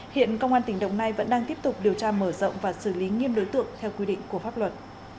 hiện công an tỉnh đồng nai vẫn đang tiếp tục điều tra mở rộng và xử lý nghiêm đối tượng theo quy định của pháp luật